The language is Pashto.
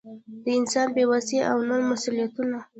د انسان بې وسي او نور مسؤلیتونه.